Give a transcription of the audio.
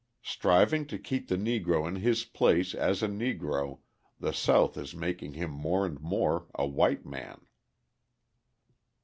Striving to keep the Negro in his place as a Negro, the South is making him more and more a white man.